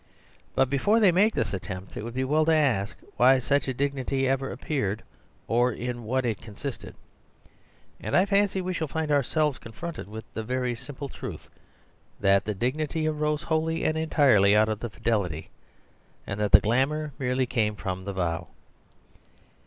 But before they make this attempt, it would be well to ask why such a dignity ever ap peared or in what it consisted. And I fancy we shall find ourselves confronted with the very simple truth, that the dignity arose wholly and entirely out of the fidelity; and that the glamour merely came from the vow.